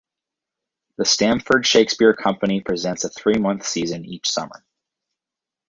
The Stamford Shakespeare Company presents a three-month season each summer.